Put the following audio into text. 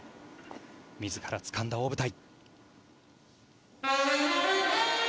自らつかんだ、大舞台。